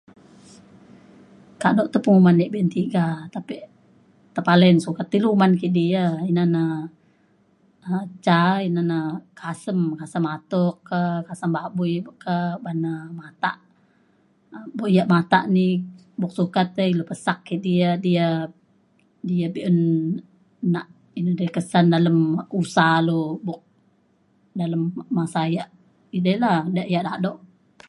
kado te penguman ia’ be’un tiga tapi tepalai sukat na ilu uman kidi ya ina na um ca ina na kasem kasem atuk ka kasem babui ka ban na matak. bo ia’ matak ni buk sukat ilu tai pesak kidi ia’ di ia’ di ia’ be’un nak inu dei kesan dalem usa lu buk dalem masa yak idai la da- ia’ dado